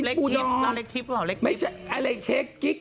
ร้านปูดองร้านเล็กทิศหรือเปล่าเล็กทิศหรือเปล่า